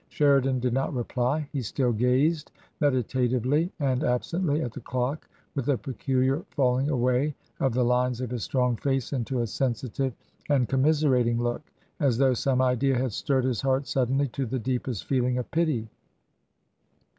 Sheridan did not reply; he still gazed medita tively and absently at the clock with a peculiar falling away of the lines of his strong face into a sensitive and commiserating look — as though some idea had stirred his heart suddenly to the deepest feeling of pity.